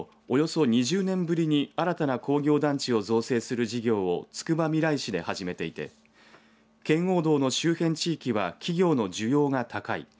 およそ２０年ぶりに新たな工業団地を造成する事業をつくばみらい市で始めていて圏央道の周辺地域は企業の需要が高い。